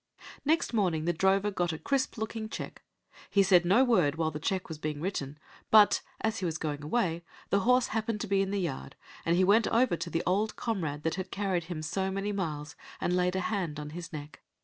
Next morning the drover got a crisp looking cheque. He said no word while the cheque was being written, but, as he was going away, the horse happened to be in the yard, and he went over to the old comrade that had carried him so many miles, and laid a hand on his neck.